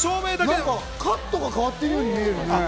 カットが変わってるように見えるね。